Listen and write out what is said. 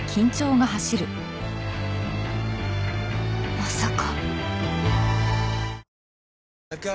まさか。